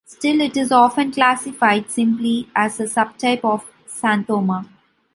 Still, it is often classified simply as a subtype of xanthoma.